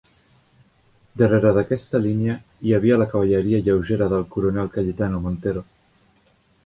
Darrere d'aquesta línia hi havia la cavalleria lleugera del coronel Cayetano Montero.